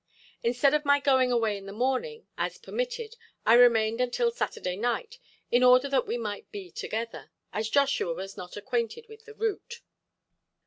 Instead of my going away in the morning as permitted I remained until Saturday night, in order that we might be together, as Joshua was not acquainted with the route.